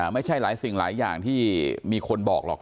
ไม่ใช่หลายสิ่งหลายอย่างที่มีคนบอกหรอก